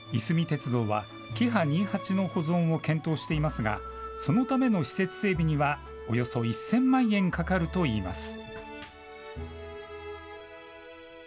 鉄道はキハ２８の保存を検討していますが、そのための施設整備にはおよそ１０００万円かかるといいます。